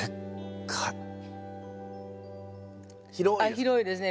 広いですか？